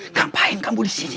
ngapain kamu disini